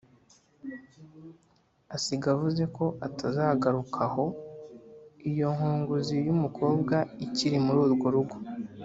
Asiga avuze ko atazagaruka aho iyo nkunguzi y' umukobwa ikiri muri urwo rugo